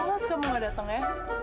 alas kamu gak datang ya